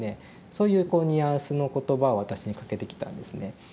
そういうこうニュアンスの言葉を私にかけてきたんですね。